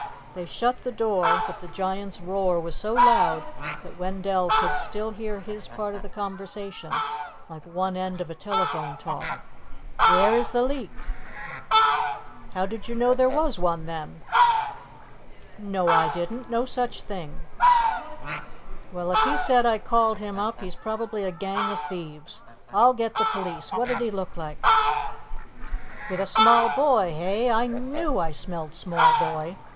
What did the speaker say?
They shut the door, but the Giant's roar was so loud that Wendell could still hear his part of the conversation, like one end of a telephone talk. "Where is the leak?" "How did you know there was one, then?" "No, I didn't. No such thing." "Well, if he said I called him up, he's probably a gang of thieves. I'll get the police. What did he look like?" "With a small boy, eh? I knew I smelled small boy.